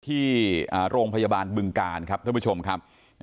ที่โรงพยาบาลบึงกาลครับท่านผู้ชมครับ